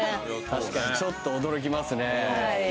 確かにちょっと驚きますね